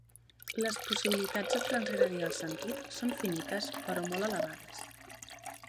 Les possibilitats de transgredir el sentit són finites però molt elevades.